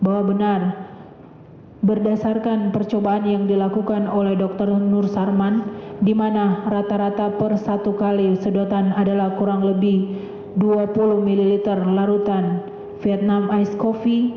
bahwa benar berdasarkan percobaan yang dilakukan oleh dr nur sarman di mana rata rata per satu kali sedotan adalah kurang lebih dua puluh ml larutan vietnam ice coffee